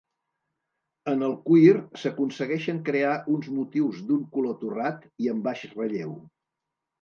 En el cuir s’aconsegueixen crear uns motius d’un color torrat, i amb baix relleu.